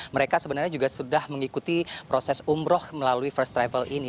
mereka sebenarnya juga sudah mengikuti proses umroh melalui first travel ini